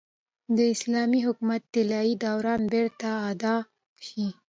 د اسلامي حکومت طلايي دوران بېرته اعاده شي.